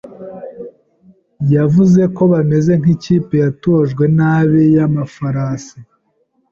Yavuze ko bameze nkikipe yatojwe nabi yamafarasi.